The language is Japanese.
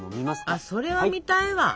あそれは見たいわ！